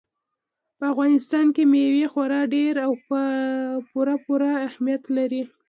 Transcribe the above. په افغانستان کې مېوې خورا ډېر او پوره پوره اهمیت لري.